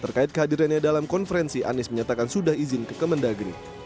terkait kehadirannya dalam konferensi anies menyatakan sudah izin ke kemendagri